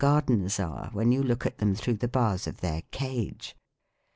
Gaidens are, when you look at them through the bars of their cage.